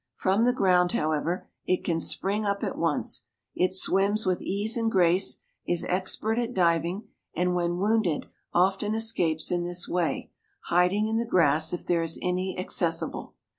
From the ground, however, it can spring up at once. It swims with ease and grace, is expert at diving, and when wounded, often escapes in this way, hiding in the grass if there is any accessible.